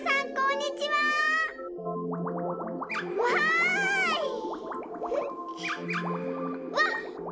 うわっ！